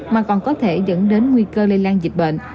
mà còn có thể dẫn đến nguy cơ lây lan dịch bệnh